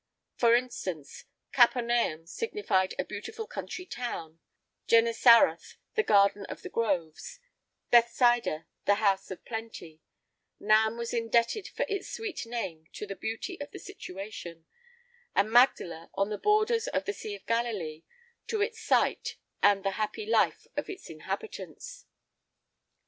For instance, Capernaum signified a beautiful country town; Gennesareth, the garden of the groves; Bethsaida, the house of plenty; Nam was indebted for its sweet name to the beauty of its situation; and Magdela, on the borders of the sea of Galilee, to its site, and the happy life of its inhabitants.